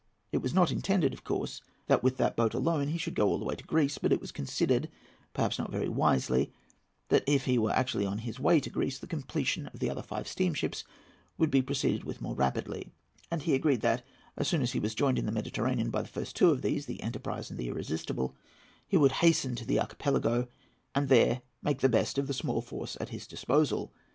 It was not intended, of course, that with that boat alone he should go all the way to Greece; but it was considered—perhaps not very wisely—that if he were actually on his way to Greece, the completion of the other five steamships would be proceeded with more rapidly; and he agreed that, as soon as he was joined in the Mediterranean by the first two of these, the Enterprise and the Irresistible, he would hasten on to the Archipelago, and there make the best of the small force at his disposal.